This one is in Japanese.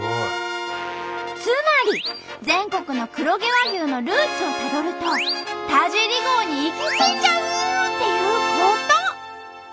つまり全国の黒毛和牛のルーツをたどると田尻号に行き着いちゃうっていうこと！